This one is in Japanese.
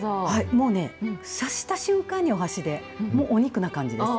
もうね、刺した瞬間に、お箸で、もうお肉な感じです。